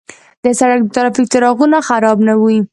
د سړک د ترافیک څراغونه خراب نه وي.